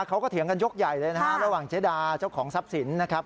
เขาก็เถียงกันยกใหญ่เลยระหว่างเจดาเจ้าของทรัพย์ศิลป์